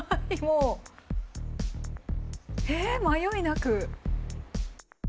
え迷いなく。